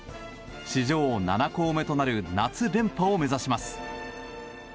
史上７校目となる夏連覇を目指します。